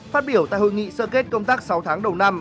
phát biểu tại hội nghị sơ kết công tác sáu tháng đầu năm